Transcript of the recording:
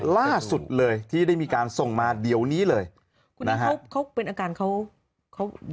ล่าสุดเลยที่ได้มีการส่งมาเดี๋ยวนี้เลยเป็นอาการเค้าเค้า